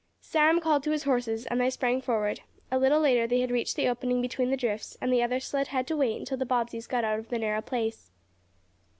Sam called to his horses and they sprang forward. A little later they had reached the opening between the drifts and the other sled had to wait until the Bobbseys got out of the narrow place.